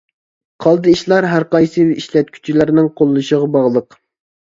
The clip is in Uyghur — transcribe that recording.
قالدى ئىشلار ھەرقايسى ئىشلەتكۈچىلەرنىڭ قوللىشىغا باغلىق.